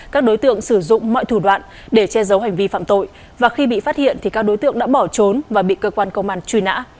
các đối tượng sử dụng mọi thủ đoạn để che giấu hành vi phạm tội và khi bị phát hiện thì các đối tượng đã bỏ trốn và bị cơ quan công an truy nã